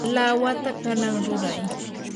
lawata kanan ruray.